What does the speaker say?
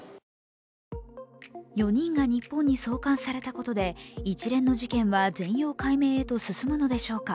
４人が日本の送還されたことで一連の事件は全容解明へと進むのでしょうか。